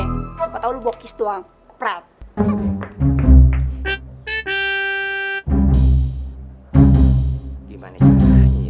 sumpah tau lo bawa kis tuang